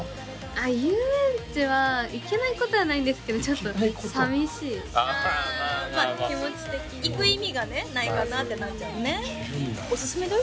あっ遊園地は行けないことはないんですけどちょっと寂しいあまあまあまあ気持ち的に行く意味がねないかなってなっちゃうねおすすめだよ